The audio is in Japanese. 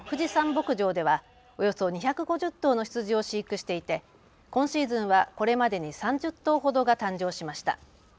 牧場ではおよそ２５０頭の羊を飼育していて今シーズンはこれまでに３０頭ほどが誕生しました。